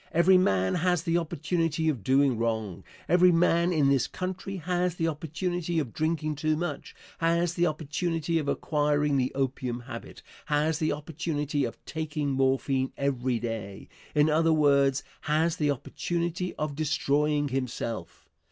Every man has the opportunity of doing wrong. Every man, in this country, has the opportunity of drinking too much, has the opportunity of acquiring the opium habit, has the opportunity of taking morphine every day in other words, has the opportunity of destroying himself.